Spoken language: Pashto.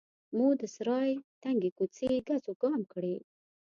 مو د سرای تنګې کوڅې ګزوګام کړې.